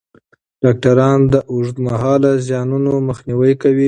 ډاکټران د اوږدمهاله زیانونو مخنیوی کوي.